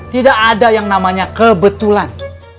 tidak ada yang namanya kebetulan